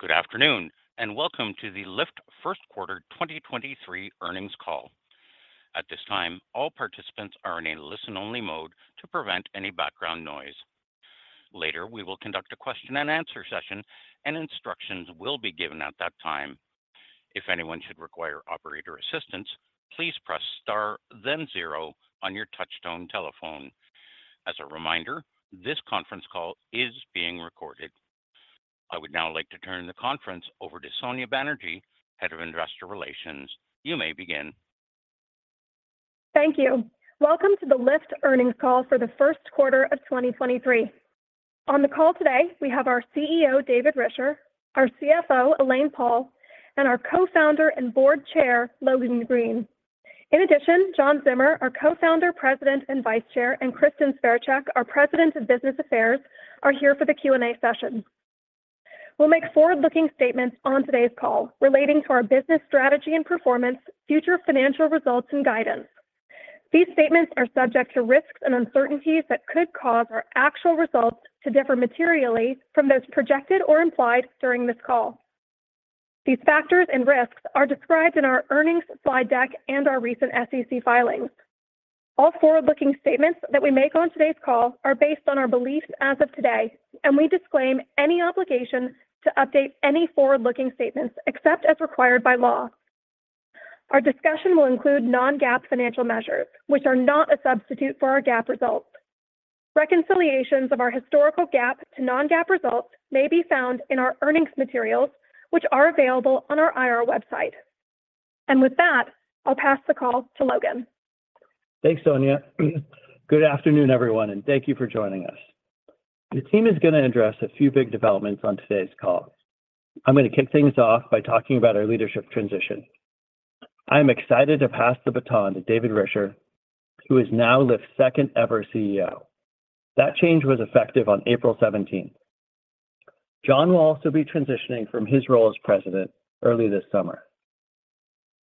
Good afternoon, welcome to the Lyft Q1 2023 Earnings Call. At this time, all participants are in a listen-only mode to prevent any background noise. Later, we will conduct a question and answer session, instructions will be given at that time. If anyone should require operator assistance, please press star then zero on your touch-tone telephone. As a reminder, this conference call is being recorded. I would now like to turn the conference over to Sonya Banerjee, Head of Investor Relations. You may begin. Thank you. Welcome to the Lyft earnings call for the Q1 of 2023. On the call today, we have our CEO, David Risher, our CFO, Elaine Paul, and our Co-Founder and Board Chair, Logan Green. John Zimmer, our Co-founder, President, and Vice Chair, and Kristin Sverchek, our President of Business Affairs, are here for the Q&A session. We'll make forward-looking statements on today's call relating to our business strategy and performance, future financial results and guidance. These statements are subject to risks and uncertainties that could cause our actual results to differ materially from those projected or implied during this call. These factors and risks are described in our earnings slide deck and our recent SEC filings. All forward-looking statements that we make on today's call are based on our beliefs as of today, and we disclaim any obligation to update any forward-looking statements except as required by law. Our discussion will include non-GAAP financial measures, which are not a substitute for our GAAP results. Reconciliations of our historical GAAP to non-GAAP results may be found in our earnings materials, which are available on our IR website. With that, I'll pass the call to Logan. Thanks, Sonya. Good afternoon, everyone. Thank you for joining us. The team is going to address a few big developments on today's call. I'm going to kick things off by talking about our leadership transition. I'm excited to pass the baton to David Risher, who is now Lyft's second ever CEO. That change was effective on April seventeenth. John will also be transitioning from his role as President early this summer.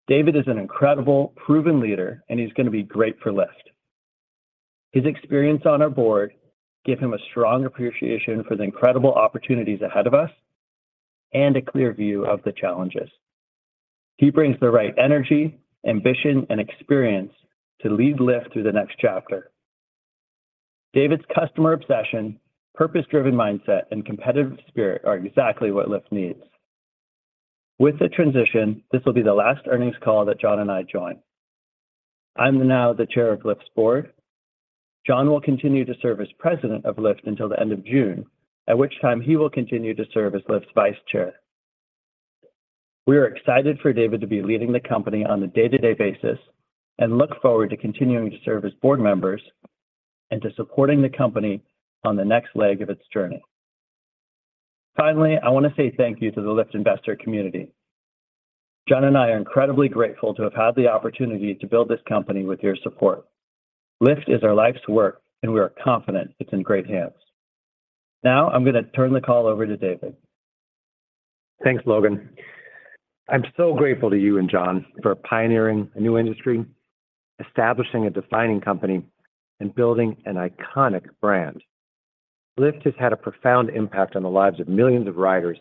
David is an incredible, proven leader. He's going to be great for Lyft. His experience on our board give him a strong appreciation for the incredible opportunities ahead of us and a clear view of the challenges. He brings the right energy, ambition, and experience to lead Lyft through the next chapter. David's customer obsession, purpose-driven mindset, and competitive spirit are exactly what Lyft needs. With the transition, this will be the last earnings call that John and I join. I'm now the Chair of Lyft's board. John will continue to serve as president of Lyft until the end of June, at which time he will continue to serve as Lyft's vice chair. We are excited for David to be leading the company on a day-to-day basis and look forward to continuing to serve as board members and to supporting the company on the next leg of its journey. I wanna say thank you to the Lyft investor community. John and I are incredibly grateful to have had the opportunity to build this company with your support. Lyft is our life's work, and we are confident it's in great hands. I'm gonna turn the call over to David. Thanks, Logan. I'm so grateful to you and John for pioneering a new industry, establishing a defining company, and building an iconic brand. Lyft has had a profound impact on the lives of millions of riders,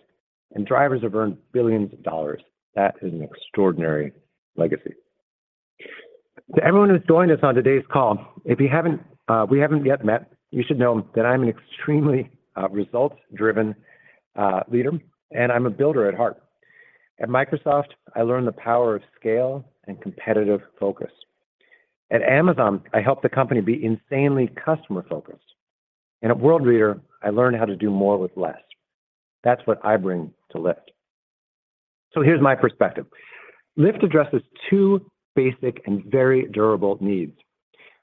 and drivers have earned billions of dollars. That is an extraordinary legacy. To everyone who's joined us on today's call, if you haven't, we haven't yet met, you should know that I'm an extremely results-driven leader, and I'm a builder at heart. At Microsoft, I learned the power of scale and competitive focus. At Amazon, I helped the company be insanely customer-focused. At Worldreader, I learned how to do more with less. That's what I bring to Lyft. Here's my perspective. Lyft addresses two basic and very durable needs.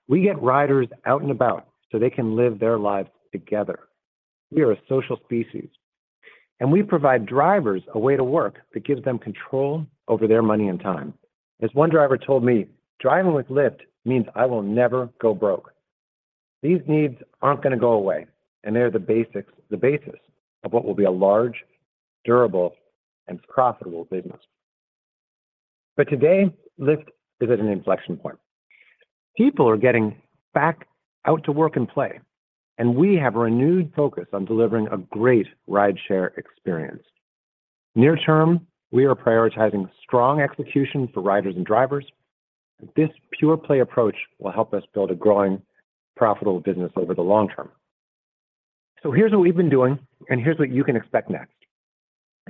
We get riders out and about so they can live their lives together. We are a social species. We provide drivers a way to work that gives them control over their money and time. As one driver told me, "Driving with Lyft means I will never go broke." These needs aren't gonna go away, and they're the basics, the basis of what will be a large, durable, and profitable business. Today, Lyft is at an inflection point. People are getting back out to work and play, and we have a renewed focus on delivering a great rideshare experience. Near term, we are prioritizing strong execution for riders and drivers. This pure-play approach will help us build a growing, profitable business over the long term. Here's what we've been doing, and here's what you can expect next.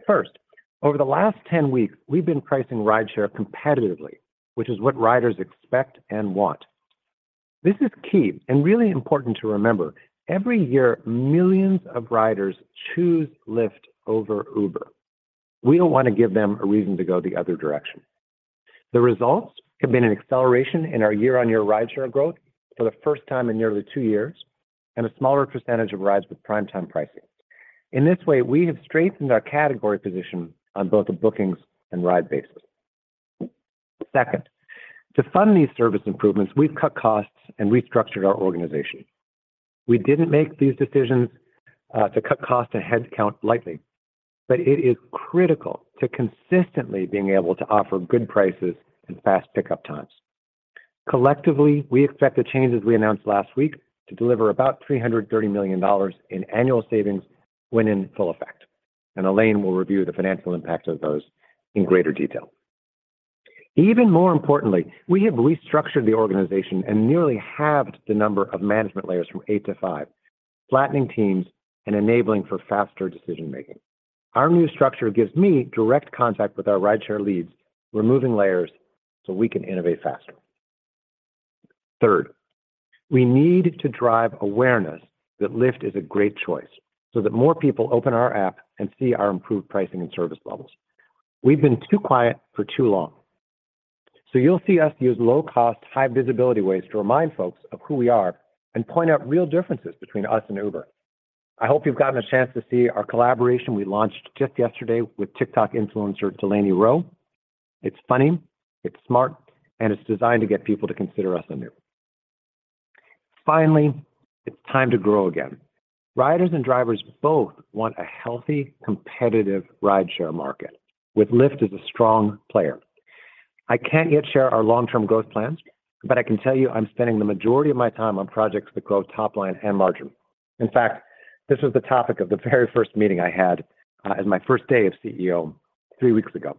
First, over the last 10 weeks, we've been pricing rideshare competitively, which is what riders expect and want. This is key and really important to remember. Every year, millions of riders choose Lyft over Uber. We don't want to give them a reason to go the other direction. The results have been an acceleration in our year-on-year rideshare growth for the first time in nearly two years and a smaller percentage of rides with Prime Time pricing. In this way, we have strengthened our category position on both a bookings and ride basis. Second, to fund these service improvements, we've cut costs and restructured our organization. We didn't make these decisions to cut cost and headcount lightly, but it is critical to consistently being able to offer good prices and fast pickup times. Collectively, we expect the changes we announced last week to deliver about $330 million in annual savings when in full effect. Elaine will review the financial impact of those in greater detail. Even more importantly, we have restructured the organization and nearly halved the number of management layers from eight to five, flattening teams and enabling for faster decision-making. Our new structure gives me direct contact with our Rideshare leads, removing layers so we can innovate faster. Third, we need to drive awareness that Lyft is a great choice so that more people open our app and see our improved pricing and service levels. We've been too quiet for too long. You'll see us use low-cost, high-visibility ways to remind folks of who we are and point out real differences between us and Uber. I hope you've gotten a chance to see our collaboration we launched just yesterday with TikTok influencer Delaney Rowe. It's funny, it's smart, and it's designed to get people to consider us anew. Finally, it's time to grow again. Riders and drivers both want a healthy, competitive Rideshare market with Lyft as a strong player. I can't yet share our long-term growth plans, but I can tell you I'm spending the majority of my time on projects that grow top line and margin. In fact, this was the topic of the very first meeting I had as my first day of CEO three weeks ago.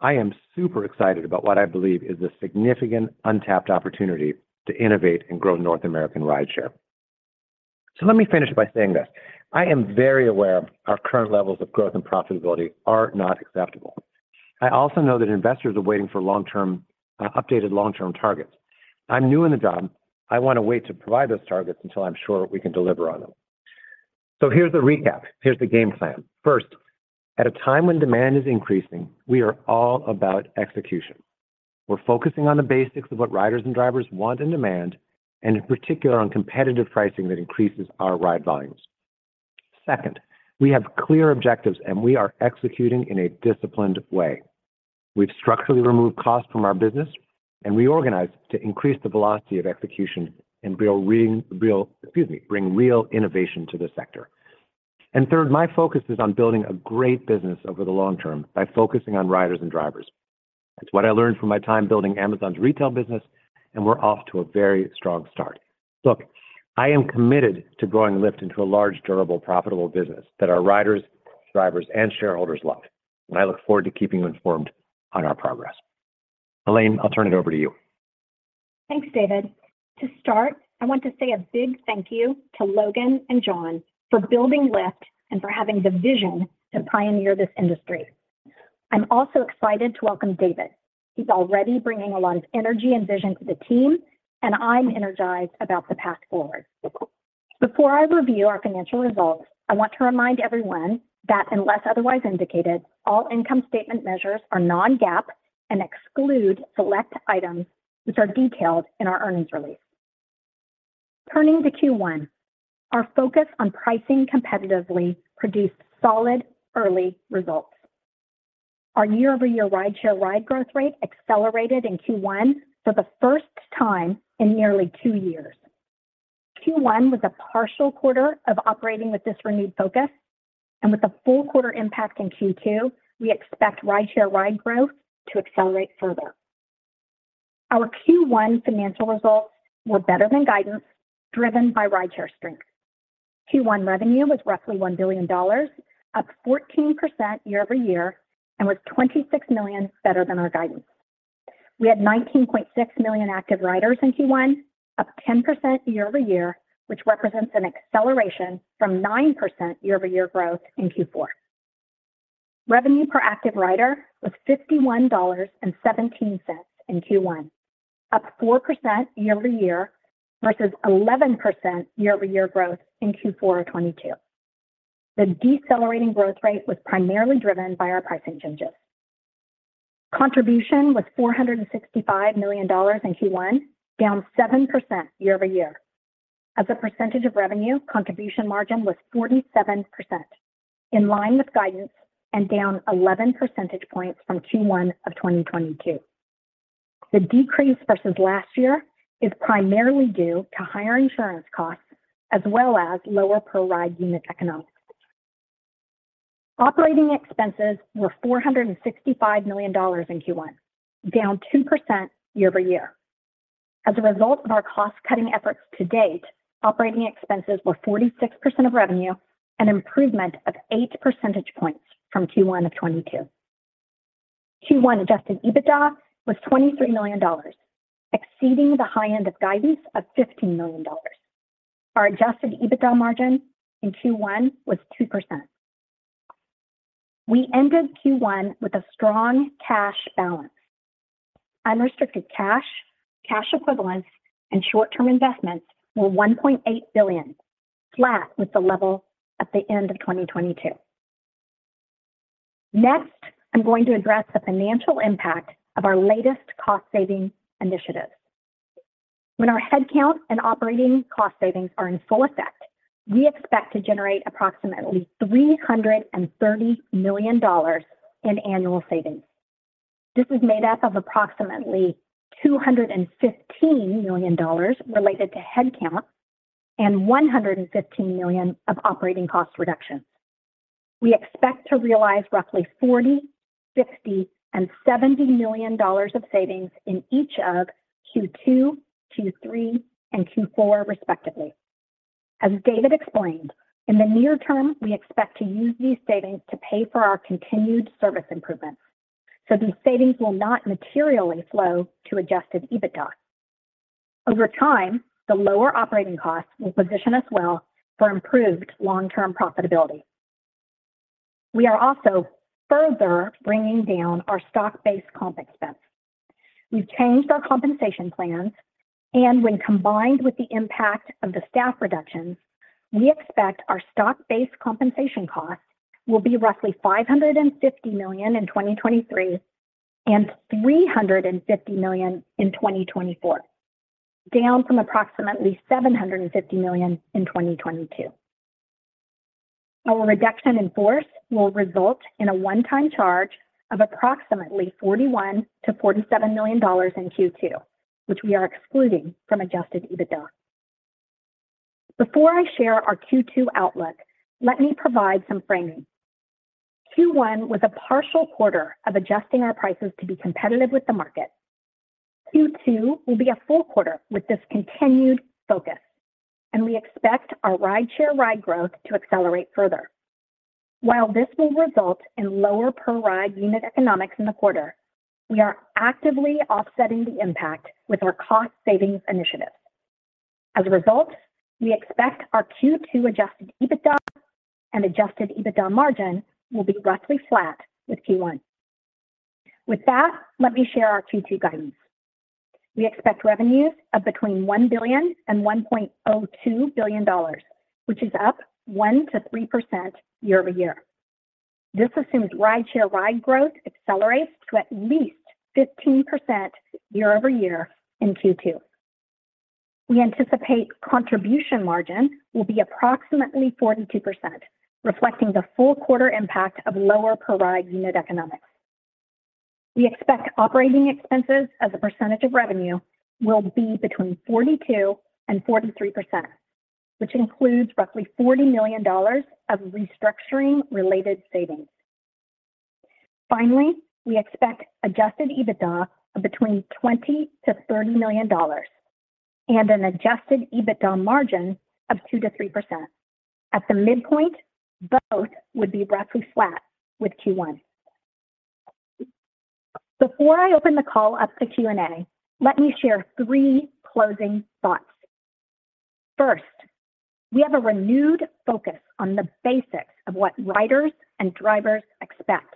I am super excited about what I believe is a significant untapped opportunity to innovate and grow North American Rideshare. Let me finish by saying this: I am very aware our current levels of growth and profitability are not acceptable. I also know that investors are waiting for long-term, updated long-term targets. I'm new in the job. I wanna wait to provide those targets until I'm sure we can deliver on them. Here's the recap. Here's the game plan. First, at a time when demand is increasing, we are all about execution. We're focusing on the basics of what riders and drivers want and demand, and in particular on competitive pricing that increases our ride volumes. Second, we have clear objectives, and we are executing in a disciplined way. We've structurally removed costs from our business and reorganized to increase the velocity of execution and bring real innovation to the sector. Third, my focus is on building a great business over the long term by focusing on riders and drivers. It's what I learned from my time building Amazon's retail business, and we're off to a very strong start. Look, I am committed to growing Lyft into a large, durable, profitable business that our riders, drivers, and shareholders love. I look forward to keeping you informed on our progress. Elaine, I'll turn it over to you. Thanks, David. To start, I want to say a big thank you to Logan and John for building Lyft and for having the vision to pioneer this industry. I'm also excited to welcome David. He's already bringing a lot of energy and vision to the team, and I'm energized about the path forward. Before I review our financial results, I want to remind everyone that unless otherwise indicated, all income statement measures are non-GAAP and exclude select items which are detailed in our earnings release. Turning to Q1, our focus on pricing competitively produced solid early results. Our year-over-year Rideshare ride growth rate accelerated in Q1 for the first time in nearly two years. Q1 was a partial quarter of operating with this renewed focus, and with a full quarter impact in Q2, we expect Rideshare ride growth to accelerate further. Our Q1 financial results were better than guidance, driven by Rideshare strength. Q1 revenue was roughly $1 billion, up 14% year-over-year, and was $26 million better than our guidance. We had 19.6 million active riders in Q1, up 10% year-over-year, which represents an acceleration from 9% year-over-year growth in Q4. Revenue per active rider was $51.17 in Q1, up 4% year-over-year versus 11% year-over-year growth in Q4 of 2022. The decelerating growth rate was primarily driven by our pricing changes. Contribution was $465 million in Q1, down 7% year-over-year. As a percentage of revenue, Contribution Margin was 47%, in line with guidance and down 11 percentage points from Q1 of 2022. The decrease versus last year is primarily due to higher insurance costs as well as lower per ride unit economics. Operating expenses were $465 million in Q1, down 2% year-over-year. As a result of our cost-cutting efforts to date, operating expenses were 46% of revenue and improvement of eight percentage points from Q1 of 2022. Q1 Adjusted EBITDA was $23 million, exceeding the high end of guidance of $15 million. Our Adjusted EBITDA margin in Q1 was 2%. We ended Q1 with a strong cash balance. Unrestricted cash equivalents, and short-term investments were $1.8 billion, flat with the level at the end of 2022. Next, I'm going to address the financial impact of our latest cost-saving initiatives. When our headcount and operating cost savings are in full effect, we expect to generate approximately $330 million in annual savings. This is made up of approximately $215 million related to headcount and $115 million of operating cost reductions. We expect to realize roughly $40 million, $50 million, and $70 million of savings in each of Q2, Q3, and Q4 respectively. As David explained, in the near term, we expect to use these savings to pay for our continued service improvements. These savings will not materially flow to Adjusted EBITDA. Over time, the lower operating costs will position us well for improved long-term profitability. We are also further bringing down our stock-based comp expense. We've changed our compensation plans and when combined with the impact of the staff reductions, we expect our stock-based compensation costs will be roughly $550 million in 2023 and $350 million in 2024, down from approximately $750 million in 2022. Our reduction in force will result in a one-time charge of approximately $41 million-$47 million in Q2, which we are excluding from Adjusted EBITDA. Before I share our Q2 outlook, let me provide some framing. Q1 was a partial quarter of adjusting our prices to be competitive with the market. Q2 will be a full quarter with this continued focus, and we expect our rideshare ride growth to accelerate further. While this will result in lower per ride unit economics in the quarter, we are actively offsetting the impact with our cost savings initiatives. As a result, we expect our Q2 Adjusted EBITDA and Adjusted EBITDA margin will be roughly flat with Q1. With that, let me share our Q2 guidance. We expect revenues of between $1 billion and $1.02 billion, which is up 1%-3% year-over-year. This assumes rideshare ride growth accelerates to at least 15% year-over-year in Q2. We anticipate Contribution Margin will be approximately 42%, reflecting the full quarter impact of lower per ride unit economics. We expect operating expenses as a percentage of revenue will be between 42% and 43%, which includes roughly $40 million of restructuring-related savings. Finally, we expect Adjusted EBITDA of between $20 million-$30 million and an Adjusted EBITDA margin of 2%-3%. At the midpoint, both would be roughly flat with Q1. Before I open the call up to Q&A, let me share three closing thoughts. First, we have a renewed focus on the basics of what riders and drivers expect.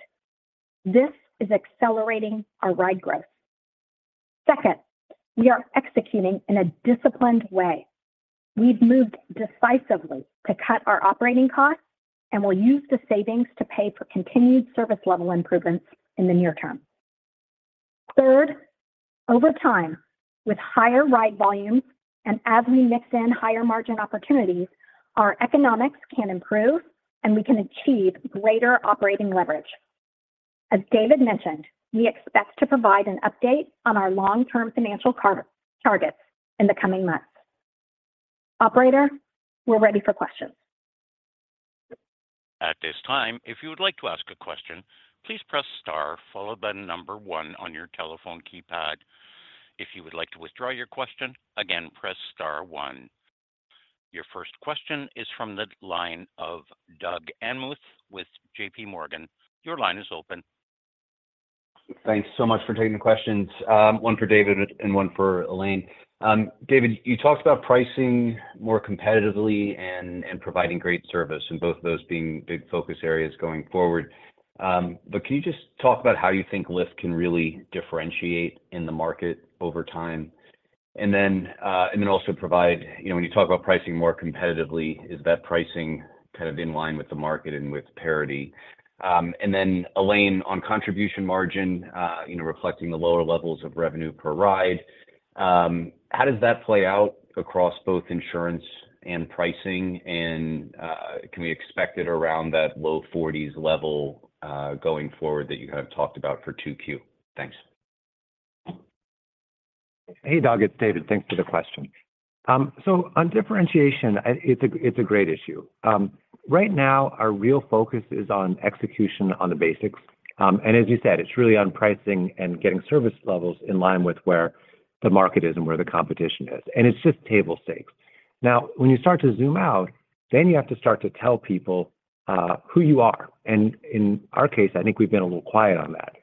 This is accelerating our ride growth. Second, we are executing in a disciplined way. We've moved decisively to cut our operating costs, and we'll use the savings to pay for continued service level improvements in the near term. Third, over time, with higher ride volumes and as we mix in higher margin opportunities, our economics can improve, and we can achieve greater operating leverage. As David mentioned, we expect to provide an update on our long-term financial targets in the coming months. Operator, we're ready for questions. At this time, if you would like to ask a question, please press star followed by the number one on your telephone keypad. If you would like to withdraw your question, again, press star one. Your first question is from the line of Doug Anmuth with JPMorgan. Your line is open. Thanks so much for taking the questions. One for David and one for Elaine. David, you talked about pricing more competitively and providing great service and both of those being big focus areas going forward. Can you just talk about how you think Lyft can really differentiate in the market over time? Also provide, you know, when you talk about pricing more competitively, is that pricing kind of in line with the market and with parity? Elaine, on Contribution Margin, you know, reflecting the lower levels of revenue per ride, how does that play out across both insurance and pricing? Can we expect it around that low forties level going forward that you have talked about for 2Q? Thanks. Hey, Doug, it's David. Thanks for the question. On differentiation, it's a great issue. Right now our real focus is on execution on the basics. As you said, it's really on pricing and getting service levels in line with where the market is and where the competition is, and it's just table stakes. When you start to zoom out, you have to start to tell people who you are. In our case, I think we've been a little quiet on that.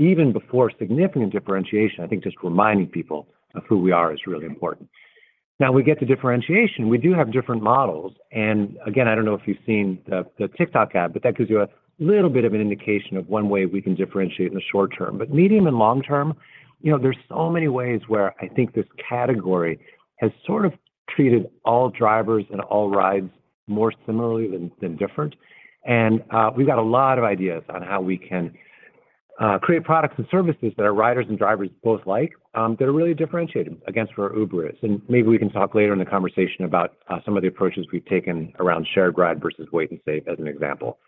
Even before significant differentiation, I think just reminding people of who we are is really important. We get to differentiation. We do have different models. Again, I don't know if you've seen the TikTok ad, but that gives you a little bit of an indication of one way we can differentiate in the short term. Medium and long term, you know, there's so many ways where I think this category has sort of treated all drivers and all rides more similarly than different. We've got a lot of ideas on how we can create products and services that our riders and drivers both like that are really differentiated against where Uber is. Maybe we can talk later in the conversation about some of the approaches we've taken around Shared ride versus Wait & Save as an example.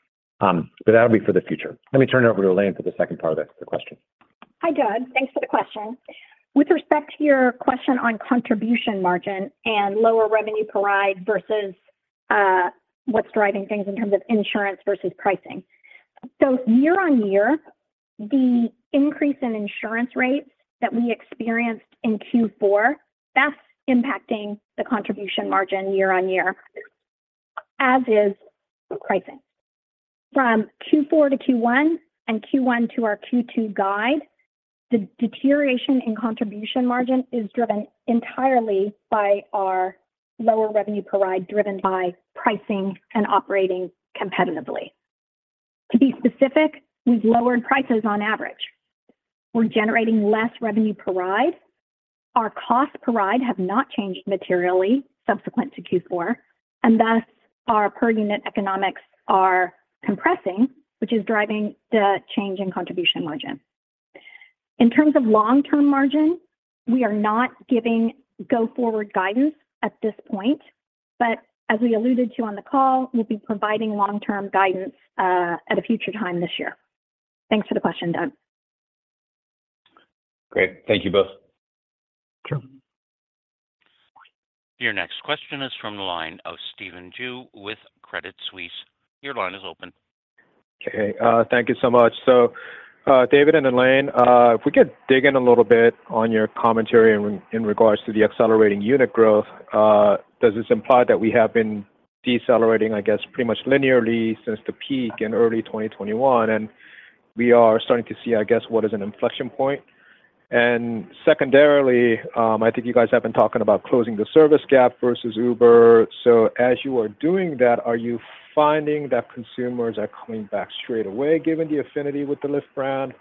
That'll be for the future. Let me turn it over to Elaine for the second part of the question. Hi, Doug. Thanks for the question. With respect to your question on Contribution Margin and lower revenue per ride versus, what's driving things in terms of insurance versus pricing. Year-over-year, the increase in insurance rates that we experienced in Q4, that's impacting the Contribution Margin year-over-year, as is pricing. From Q4 to Q1 and Q1 to our Q2 guide, the deterioration in Contribution Margin is driven entirely by our lower revenue per ride, driven by pricing and operating competitively. To be specific, we've lowered prices on average. We're generating less revenue per ride. Our costs per ride have not changed materially subsequent to Q4. Thus our per unit economics are compressing, which is driving the change in Contribution Margin. In terms of long-term margin, we are not giving go-forward guidance at this point, but as we alluded to on the call, we'll be providing long-term guidance at a future time this year. Thanks for the question, Doug. Great. Thank you both. Sure. Your next question is from the line of Stephen Ju with Credit Suisse. Your line is open. Okay. Thank you so much. David and Elaine, if we could dig in a little bit on your commentary in regards to the accelerating unit growth. Does this imply that we have been decelerating, I guess, pretty much linearly since the peak in early 2021, and we are starting to see, I guess, what is an inflection point? Secondarily, I think you guys have been talking about closing the service gap versus Uber. As you are doing that, are you finding that consumers are coming back straight away given the affinity with the Lyft brand,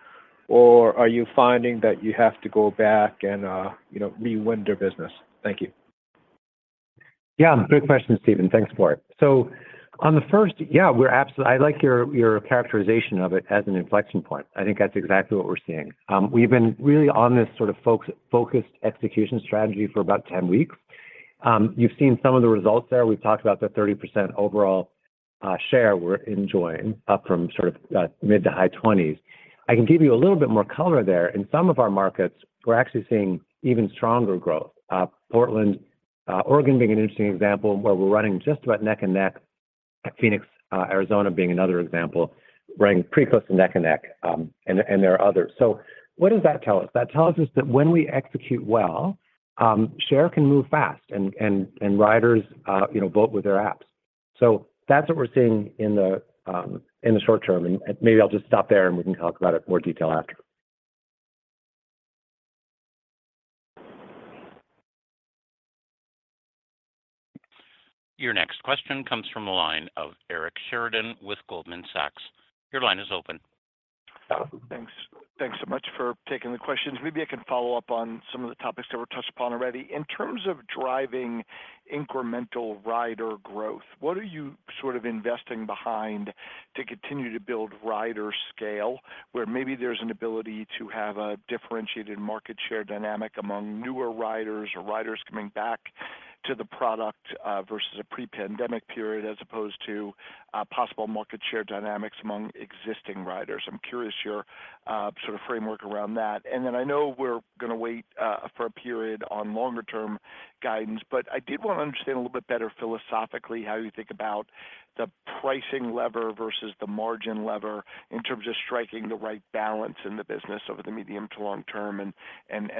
or are you finding that you have to go back and, you know, re-win their business? Thank you. Yeah. Good question, Stephen. Thanks for it. On the first, yeah, I like your characterization of it as an inflection point. I think that's exactly what we're seeing. We've been really on this sort of focused execution strategy for about 10 weeks. You've seen some of the results there. We've talked about the 30% overall share we're enjoying, up from sort of mid to high twenties. I can give you a little bit more color there. In some of our markets, we're actually seeing even stronger growth. Portland, Oregon being an interesting example where we're running just about neck and neck. Phoenix, Arizona being another example, running pretty close to neck and neck, and there are others. What does that tell us? That tells us that when we execute well, share can move fast and riders, you know, vote with their apps. That's what we're seeing in the, in the short term. Maybe I'll just stop there, and we can talk about it in more detail after. Your next question comes from the line of Eric Sheridan with Goldman Sachs. Your line is open. Thanks. Thanks so much for taking the questions. Maybe I can follow up on some of the topics that were touched upon already. In terms of driving incremental rider growth, what are you sort of investing behind to continue to build rider scale, where maybe there's an ability to have a differentiated market share dynamic among newer riders or riders coming back to the product, versus a pre-pandemic period, as opposed to possible market share dynamics among existing riders? I'm curious your sort of framework around that? I know we're gonna wait for a period on longer term guidance, but I did wanna understand a little bit better philosophically how you think about the pricing lever versus the margin lever in terms of striking the right balance in the business over the medium to long term, and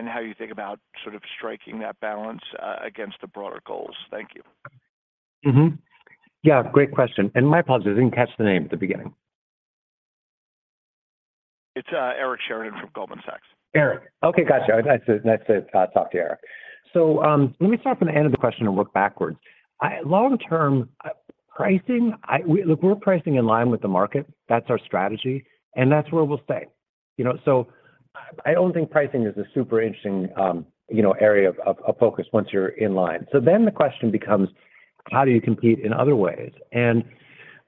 how you think about sort of striking that balance against the broader goals. Thank you. Yeah, great question. My apologies, I didn't catch the name at the beginning. It's, Eric Sheridan from Goldman Sachs. Eric. Okay. Gotcha. Nice to talk to Eric. Let me start from the end of the question and work backwards. Long-term pricing. Look, we're pricing in line with the market. That's our strategy, and that's where we'll stay. You know? I don't think pricing is a super interesting, you know, area of focus once you're in line. The question becomes, how do you compete in other ways?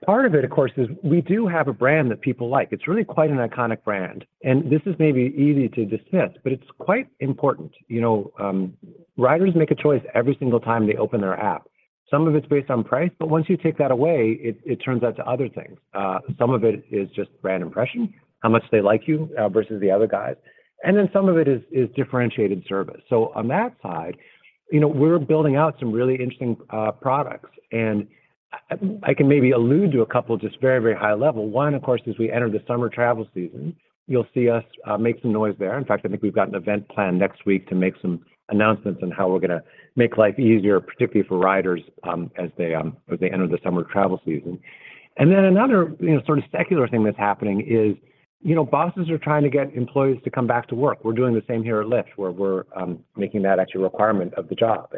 Part of it, of course, is we do have a brand that people like. It's really quite an iconic brand, and this is maybe easy to dismiss, but it's quite important. You know, riders make a choice every single time they open their app. Some of it's based on price, but once you take that away, it turns out to other things. Some of it is just brand impression, how much they like you, versus the other guys. Some of it is differentiated service. On that side, you know, we're building out some really interesting products, and I can maybe allude to a couple just very, very high level. One, of course, as we enter the summer travel season, you'll see us make some noise there. In fact, I think we've got an event planned next week to make some announcements on how we're gonna make life easier, particularly for riders, as they enter the summer travel season. Another, you know, sort of secular thing that's happening is, you know, bosses are trying to get employees to come back to work. We're doing the same here at Lyft, where we're making that actually a requirement of the job.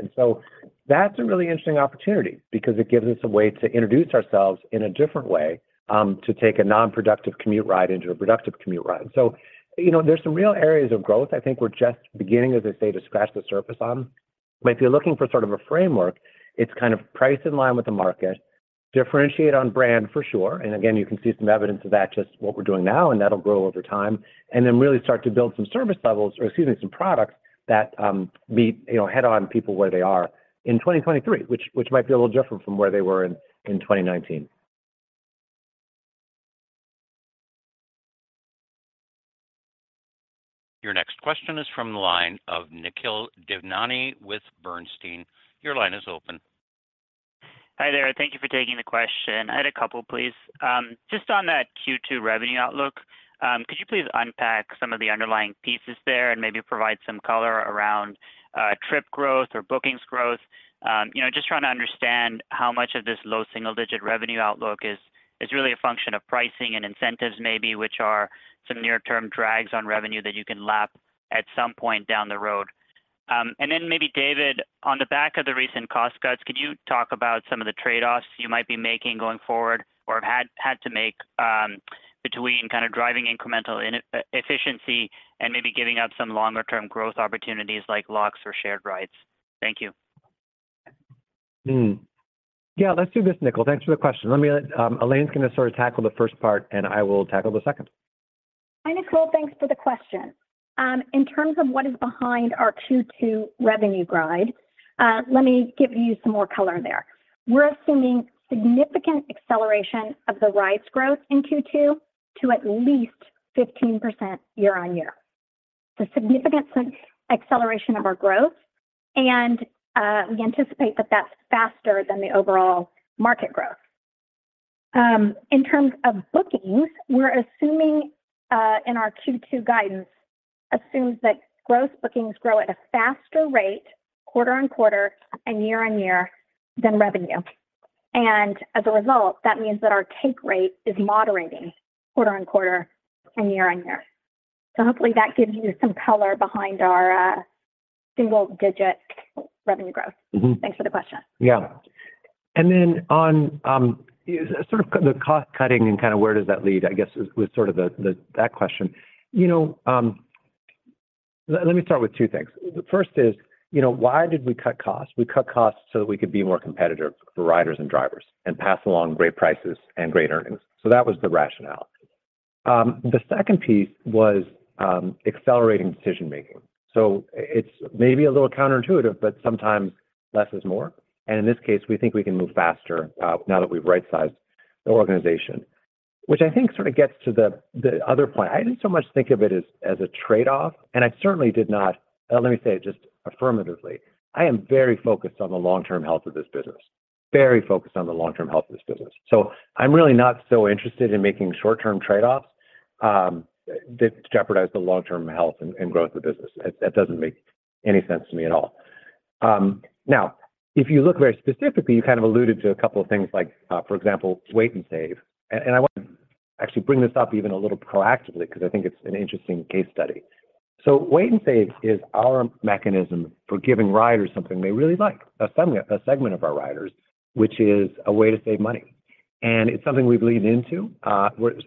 That's a really interesting opportunity because it gives us a way to introduce ourselves in a different way, to take a non-productive commute ride into a productive commute ride. You know, there's some real areas of growth I think we're just beginning, as I say, to scratch the surface on. If you're looking for sort of a framework, it's kind of price in line with the market, differentiate on brand for sure. Again, you can see some evidence of that, just what we're doing now, and that'll grow over time. Really start to build some service levels, or excuse me, some products that, meet, you know, head on people where they are in 2023, which might be a little different from where they were in 2019. Your next question is from the line of Nikhil Devnani with Bernstein. Your line is open. Hi there. Thank you for taking the question. I had a couple, please. Just on that Q2 revenue outlook, could you please unpack some of the underlying pieces there and maybe provide some color around trip growth or bookings growth? You know, just trying to understand how much of this low single-digit revenue outlook is really a function of pricing and incentives maybe, which are some near-term drags on revenue that you can lap at some point down the road. And then maybe David, on the back of the recent cost cuts, could you talk about some of the trade-offs you might be making going forward or have had to make, between kind of driving incremental efficiency and maybe giving up some longer term growth opportunities like Lux or Shared Rides? Thank you. Yeah, let's do this, Nikhil. Thanks for the question. Elaine's gonna sort of tackle the first part. I will tackle the second. Hi, Nikhil. Thanks for the question. In terms of what is behind our Q2 revenue guide, let me give you some more color there. We're assuming significant acceleration of the rides growth in Q2 to at least 15% year-on-year. It's a significant acceleration of our growth, we anticipate that that's faster than the overall market growth. In terms of bookings, we're assuming in our Q2 guidance assumes that gross bookings grow at a faster rate quarter-on-quarter and year-on-year than revenue. As a result, that means that our take rate is moderating quarter-on-quarter and year-on-year. Hopefully that gives you some color behind our single-digit revenue growth. Mm-hmm. Thanks for the question. Then on, sort of the cost-cutting and kind of where does that lead, I guess, was sort of that question. You know, let me start with two things. The first is, you know, why did we cut costs? We cut costs so that we could be more competitive for riders and drivers and pass along great prices and great earnings. That was the rationale. The second piece was accelerating decision-making. It's maybe a little counterintuitive, but sometimes less is more. In this case, we think we can move faster, now that we've right-sized the organization. Which I think sort of gets to the other point. I didn't so much think of it as a trade-off, and I certainly Let me say it just affirmatively. I am very focused on the long-term health of this business, very focused on the long-term health of this business. I'm really not so interested in making short-term trade-offs that jeopardize the long-term health and growth of the business. That doesn't make any sense to me at all. Now, if you look very specifically, you kind of alluded to a couple of things like, for example, Wait & Save. I want to actually bring this up even a little proactively because I think it's an interesting case study. Wait & Save is our mechanism for giving riders something they really like, a segment of our riders, which is a way to save money. It's something we believe into.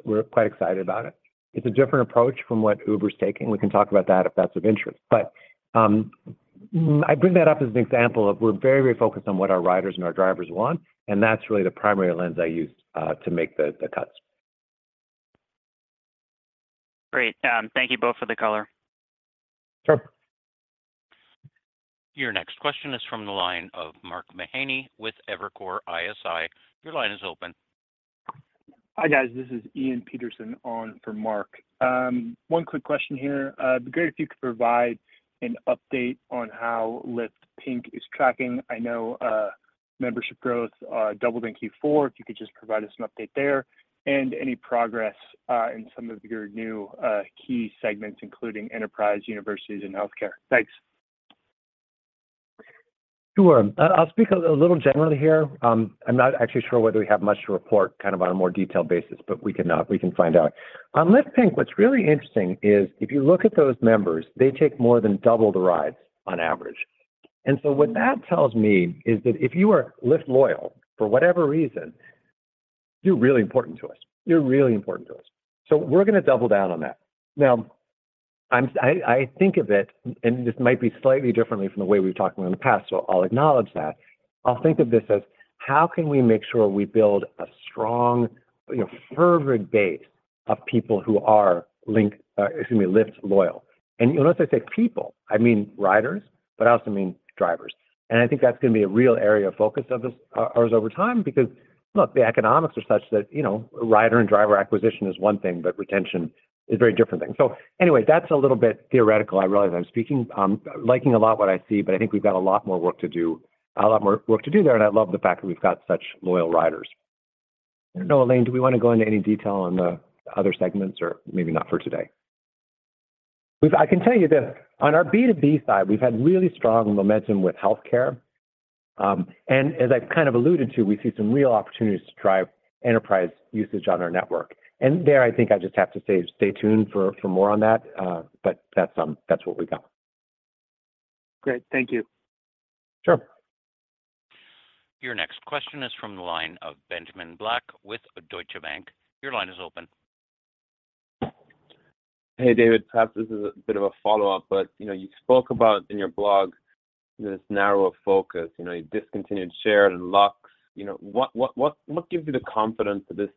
We're quite excited about it. It's a different approach from what Uber is taking. We can talk about that if that's of interest. I bring that up as an example of we're very, very focused on what our riders and our drivers want, and that's really the primary lens I use to make the cuts. Great. Thank you both for the color. Sure. Your next question is from the line of Mark Mahaney with Evercore ISI. Your line is open. Hi, guys. This is Ian Peterson on for Mark. One quick question here. It'd be great if you could provide an update on how Lyft Pink is tracking. I know, membership growth doubled in Q4, if you could just provide us an update there. Any progress in some of your new key segments, including enterprise, universities, and healthcare. Thanks. Sure. I'll speak a little generally here. I'm not actually sure whether we have much to report kind of on a more detailed basis, but we can, we can find out. On Lyft Pink, what's really interesting is if you look at those members, they take more than double the rides on average. What that tells me is that if you are Lyft loyal for whatever reason, you're really important to us. We're gonna double down on that. I think of it, and this might be slightly differently from the way we've talked about it in the past, so I'll acknowledge that. I'll think of this as, how can we make sure we build a strong, you know, fervent base of people who are Link, excuse me, Lyft loyal? You'll notice I say people, I mean riders, but I also mean drivers. I think that's gonna be a real area of focus of ours over time, because look, the economics are such that, you know, rider and driver acquisition is one thing, but retention is a very different thing. Anyway, that's a little bit theoretical. I realize I'm liking a lot what I see, but I think we've got a lot more work to do, a lot more work to do there. I love the fact that we've got such loyal riders. I don't know, Elaine, do we wanna go into any detail on the other segments or maybe not for today? I can tell you this. On our B2B side, we've had really strong momentum with healthcare. As I kind of alluded to, we see some real opportunities to drive enterprise usage on our network. There, I think I just have to say stay tuned for more on that. That's what we've got. Great. Thank you. Sure. Your next question is from the line of Benjamin Black with Deutsche Bank. Your line is open. Hey, David. Perhaps this is a bit of a follow-up, but, you know, you spoke about in your blog this narrower focus. You know, you discontinued Shared and Lux. You know, what gives you the confidence that this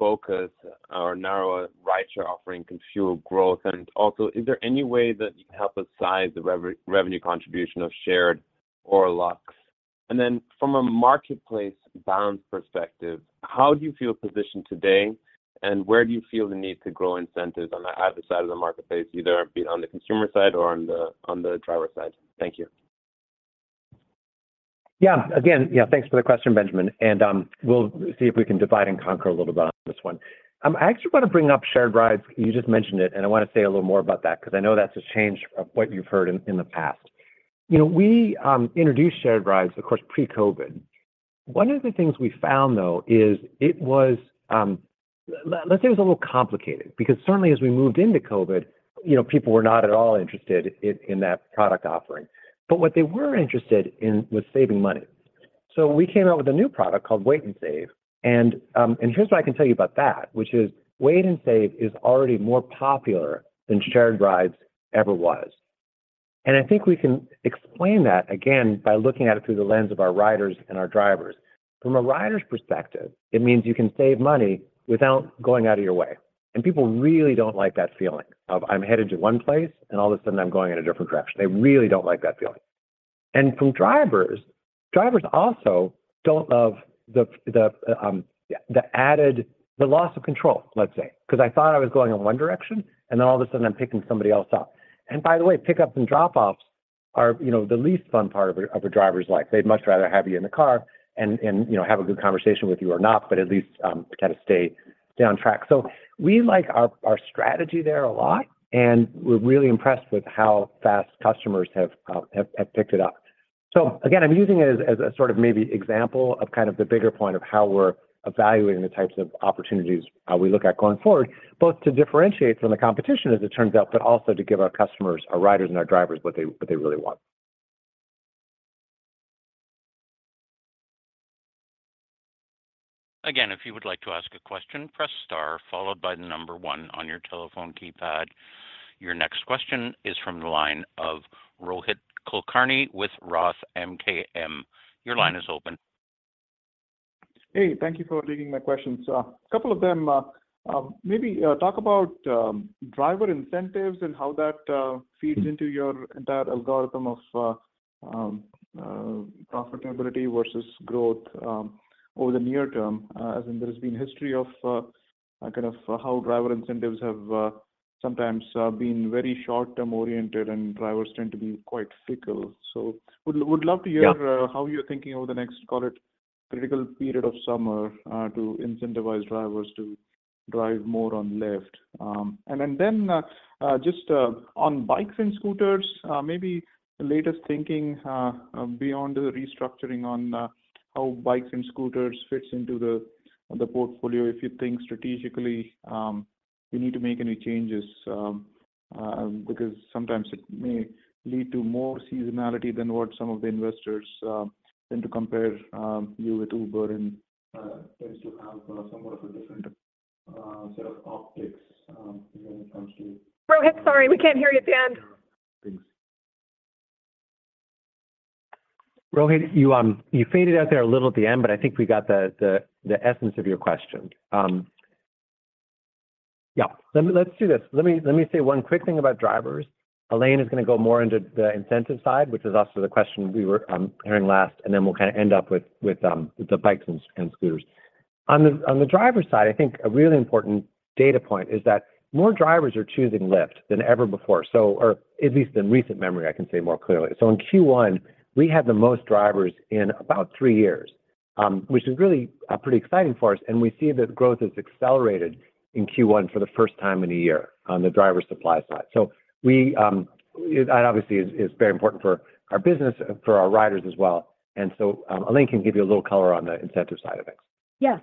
narrower-focus, our narrower rideshare offering, can fuel growth? Also, is there any way that you can help us size the revenue contribution of Shared or Lux? Then from a marketplace bounds perspective, how do you feel positioned today and where do you feel the need to grow incentives on either side of the marketplace, either be it on the consumer side or on the driver side? Thank you. Yeah. Again, yeah, thanks for the question, Benjamin. We'll see if we can divide and conquer a little bit on this one. I actually want to bring up Shared rides. You just mentioned it, and I wanna say a little more about that because I know that's a change of what you've heard in the past. You know, we introduced Shared rides, of course, pre-COVID. One of the things we found, though, is it was, let's say it was a little complicated because certainly as we moved into COVID, you know, people were not at all interested in that product offering. What they were interested in was saving money. We came out with a new product called Wait & Save. Here's what I can tell you about that, which is Wait & Save is already more popular than Shared rides ever was. I think we can explain that again by looking at it through the lens of our riders and our drivers. From a rider's perspective, it means you can save money without going out of your way. People really don't like that feeling of I'm headed to one place, and all of a sudden I'm going in a different direction. They really don't like that feeling. From drivers also don't love the added the loss of control, let's say, 'cause I thought I was going in one direction, and then all of a sudden I'm picking somebody else up. By the way, pick-ups and drop-offs are, you know, the least fun part of a driver's life. They'd much rather have you in the car and, you know, have a good conversation with you or not, but at least kind of stay down track. We like our strategy there a lot, and we're really impressed with how fast customers have picked it up. Again, I'm using it as a sort of maybe example of kind of the bigger point of how we're evaluating the types of opportunities, how we look at going forward, both to differentiate from the competition as it turns out, but also to give our customers, our riders and our drivers what they really want. Again, if you would like to ask a question, press star followed by the number one on your telephone keypad. Your next question is from the line of Rohit Kulkarni with Roth MKM. Your line is open. Hey, thank you for taking my questions. A couple of them. Maybe talk about driver incentives and how that feeds into your entire algorithm of profitability versus growth over the near term. As in there has been history of kind of how driver incentives have sometimes been very short-term oriented, and drivers tend to be quite fickle. Would love to hear. Yeah. How you're thinking over the next, call it critical period of summer, to incentivize drivers to drive more on Lyft? Just on bikes and scooters, maybe the latest thinking beyond the restructuring on how bikes and scooters fits into the portfolio. If you think strategically, you need to make any changes, because sometimes it may lead to more seasonality than what some of the investors tend to compare you with Uber and tends to have somewhat of a different set of optics. Rohit, sorry, we can't hear you at the end. Thanks. Rohit, you faded out there a little at the end, but I think we got the essence of your question. Yeah, let's do this. Let me say one quick thing about drivers. Elaine is gonna go more into the incentive side, which is also the question we were hearing last, and then we'll kinda end up with the bikes and scooters. On the driver side, I think a really important data point is that more drivers are choosing Lyft than ever before. Or at least in recent memory, I can say more clearly. In Q1, we had the most drivers in about three years, which is really pretty exciting for us, and we see that growth has accelerated in Q1 for the first time in one year on the driver supply side. That obviously is very important for our business, for our riders as well. Elaine can give you a little color on the incentive side of things. Yes.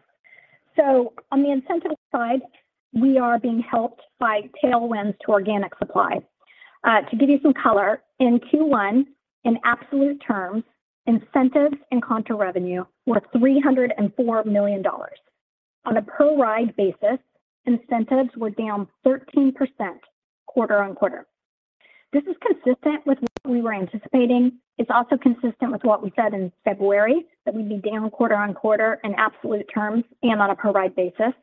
On the incentive side, we are being helped by tailwinds to organic supply. To give you some color, in Q1, in absolute terms, incentives and contra revenue were $304 million. On a per-ride basis, incentives were down 13% quarter-on-quarter. This is consistent with what we were anticipating. It's also consistent with what we said in February, that we'd be down quarter-on-quarter in absolute terms and on a per-ride basis.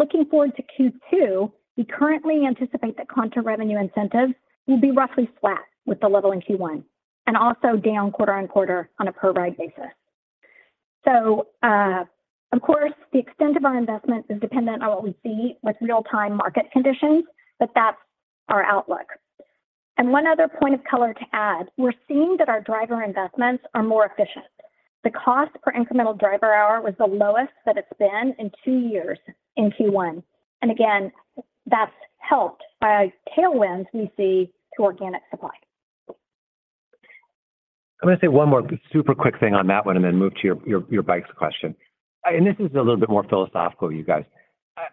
Looking forward to Q2, we currently anticipate that contra revenue incentives will be roughly flat with the level in Q1, and also down quarter-on-quarter on a per-ride basis. Of course, the extent of our investment is dependent on what we see with real-time market conditions, but that's our outlook. One other point of color to add, we're seeing that our driver investments are more efficient. The cost per incremental driver hour was the lowest that it's been in two years in Q1. Again, that's helped by tailwinds we see to organic supply. I'm gonna say one more super quick thing on that one and then move to your bikes question. This is a little bit more philosophical, you guys.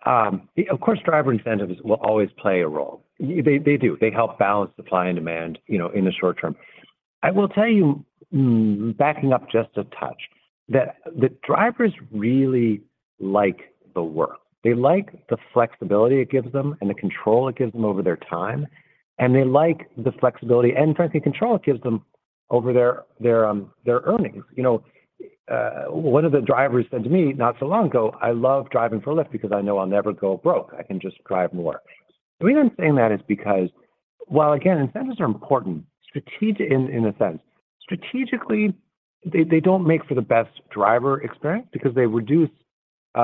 Of course, driver incentives will always play a role. They do. They help balance supply and demand, you know, in the short term. I will tell you, backing up just a touch, that the drivers really like the work. They like the flexibility it gives them and the control it gives them over their time. They like the flexibility and frankly, control it gives them over their earnings. You know, one of the drivers said to me not so long ago, "I love driving for Lyft because I know I'll never go broke. I can just drive more." The reason I'm saying that is because while, again, incentives are important, strategically they don't make for the best driver experience because they reduce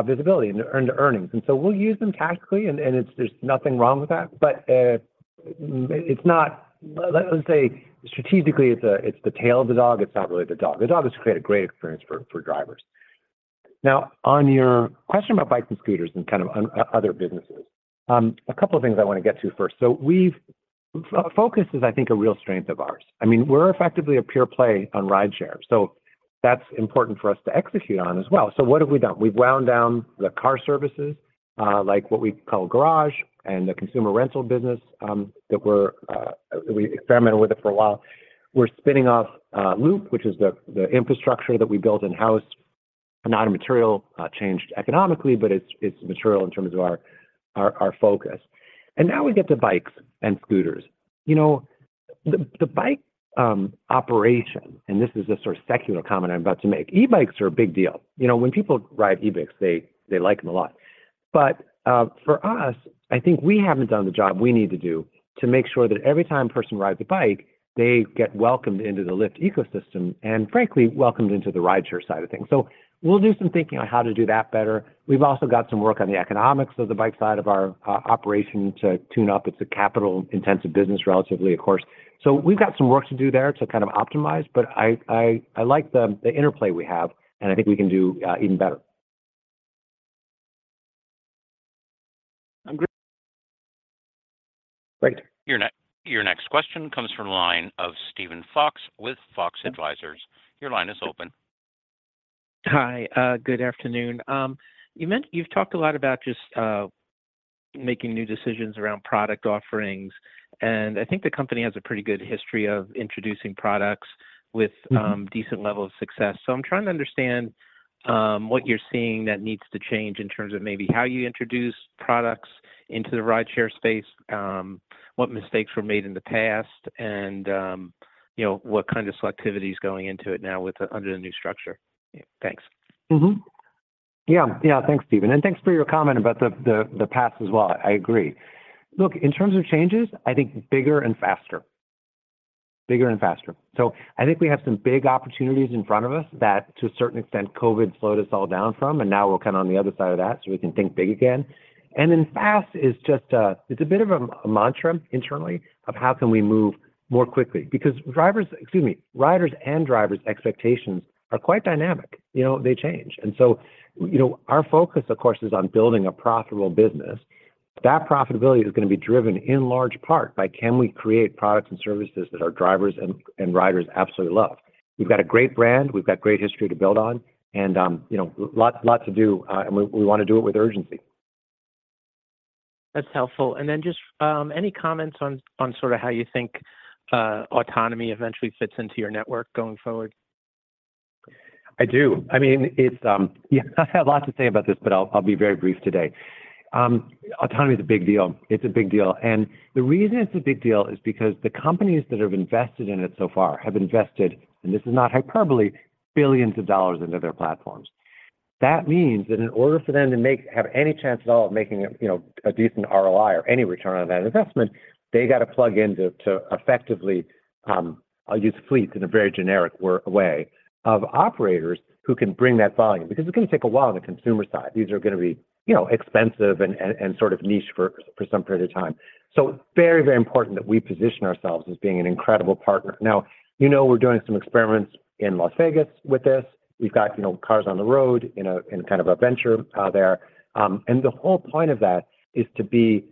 visibility and earnings. We'll use them tactically and it's nothing wrong with that, but it's not, let's say strategically it's the tail of the dog, it's not really the dog. The dog is to create a great experience for drivers. On your question about bikes and scooters and kind of other businesses, a couple of things I wanna get to first. Focus is, I think, a real strength of ours. I mean, we're effectively a pure play on rideshare, so that's important for us to execute on as well. What have we done? We've wound down the car services, like what we call Garage and the consumer rental business, that we experimented with it for a while. We're spinning off Loop, which is the infrastructure that we built in-house. Not a material change economically, but it's material in terms of our focus. Now we get to bikes and scooters. You know, the bike operation, and this is a sort of secular comment I'm about to make, e-bikes are a big deal. You know, when people ride e-bikes, they like them a lot. For us, I think we haven't done the job we need to do to make sure that every time a person rides a bike, they get welcomed into the Lyft ecosystem and frankly welcomed into the rideshare side of things. We'll do some thinking on how to do that better. We've also got some work on the economics of the bike side of our operation to tune up. It's a capital intensive business relatively, of course. We've got some work to do there to kind of optimize, but I like the interplay we have and I think we can do even better. I'm great. Great. Your next question comes from the line of Stephen Fox with Fox Advisors. Your line is open. Hi. Good afternoon. You've talked a lot about just, making new decisions around product offerings, I think the company has a pretty good history of introducing products with. Mm-hmm Decent level of success. I'm trying to understand, what you're seeing that needs to change in terms of maybe how you introduce products into the rideshare space, what mistakes were made in the past and, you know, what kind of selectivity is going into it now under the new structure? Thanks. Mm-hmm. Yeah. Yeah. Thanks, Stephen. Thanks for your comment about the past as well. I agree. Look, in terms of changes, I think bigger and faster. Bigger and faster. I think we have some big opportunities in front of us that to a certain extent COVID slowed us all down from, and now we're kind of on the other side of that, so we can think big again. Fast is just a bit of a mantra internally of how can we move more quickly. Because riders and drivers expectations are quite dynamic, you know? They change. You know, our focus of course is on building a profitable business. That profitability is gonna be driven in large part by can we create products and services that our drivers and riders absolutely love. We've got a great brand, we've got great history to build on and, you know, lot to do, and we wanna do it with urgency. That's helpful. And then just, any comments on sort of how you think autonomy eventually fits into your network going forward? I do. I mean, it's, yeah, I have a lot to say about this, but I'll be very brief today. Autonomy is a big deal. It's a big deal. The reason it's a big deal is because the companies that have invested in it so far have invested, and this is not hyperbole, billions of dollars into their platforms. That means that in order for them to have any chance at all of making a, you know, a decent ROI or any return on that investment, they gotta plug in to effectively, I'll use fleets in a very generic way of operators who can bring that volume, because it's gonna take a while on the consumer side. These are gonna be, you know, expensive and sort of niche for some period of time. Very important that we position ourselves as being an incredible partner. Now, you know we're doing some experiments in Las Vegas with this. We've got, you know, cars on the road in kind of a venture there. The whole point of that is to be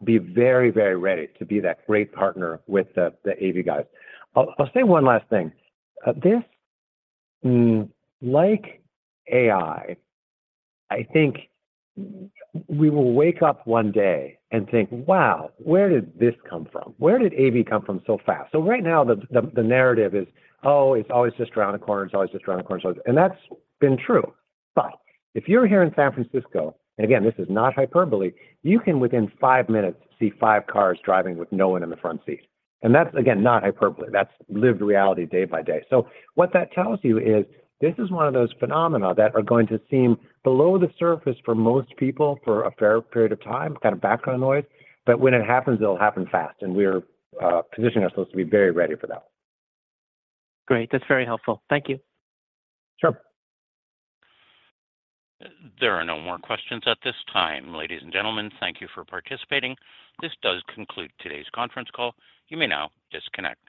very ready to be that great partner with the AV guys. I'll say one last thing. This, like AI, I think we will wake up one day and think, "Wow, where did this come from? Where did AV come from so fast?" Right now the narrative is, oh, it's always just around the corner, it's always... That's been true. If you're here in San Francisco, and again this is not hyperbole, you can within 5 minutes see 5 cars driving with no one in the front seat. That's, again, not hyperbole. That's lived reality day by day. What that tells you is this is one of those phenomena that are going to seem below the surface for most people for a fair period of time, kind of background noise. When it happens, it'll happen fast, and we're positioning ourselves to be very ready for that. Great. That's very helpful. Thank you. Sure. There are no more questions at this time. Ladies and gentlemen, thank you for participating. This does conclude today's conference call. You may now disconnect.